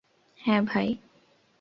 হ্যাঁ, ভাই।